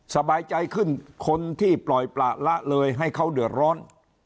สบายใจขึ้นคนที่ปล่อยประละเลยให้เขาเดือดร้อน